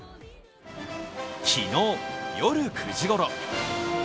昨日、夜９時ごろ。